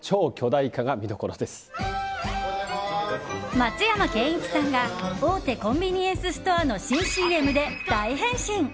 松山ケンイチさんが大手コンビニエンスストアの新ＣＭで大変身。